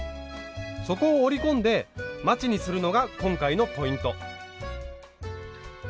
底を折り込んでまちにするのが今回のポイント。